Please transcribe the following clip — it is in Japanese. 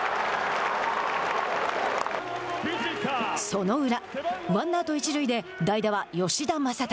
その裏、ワンアウト、一塁で代打は吉田正尚。